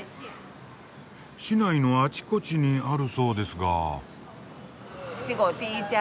市内のあちこちにあるそうですが。